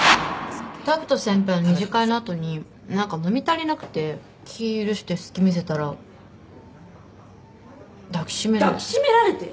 拓人先輩の二次会のあとに何か飲み足りなくて気許して隙見せたら抱き締められて。